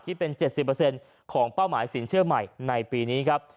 ที่เป็น๗๐ของเป้าหมายสินเชื่อใหม่ในปีนี้ครับ